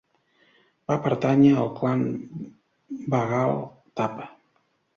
Va pertànyer al clan Bagale Thapa.